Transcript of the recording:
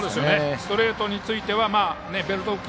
ストレートについてはベルト付近。